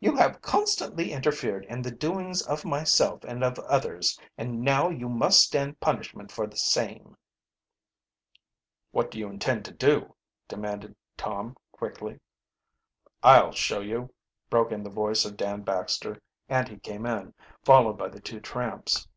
"You have constantly interfered in the doings of myself and of others, and now you must stand punishment for the same." "What do you intend to do?" demanded Tom quickly. "I'll show you," broke in the voice of Dan Baxter, and he came in, followed by the two tramps.